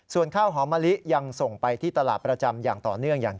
ส่วนข้าวหอมมะลิยังส่งไปที่ตลาดประจำอย่างต่อเนื่อง